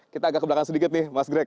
kita agak ke belakang sedikit nih mas greg